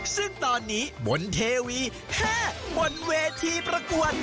ซึ่งตอนนี้บนเทวีแพทย์บนเวทีประกวด